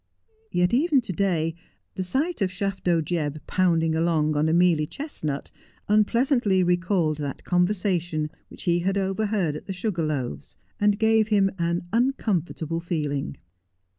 Yet even to day, the sight of Shafto Jebb pounding along on a mealy chestnut unpleasantly recalled that conversation which he had overheard at the ' Sugar Loaves/ and gave him an uncomfortable feeling.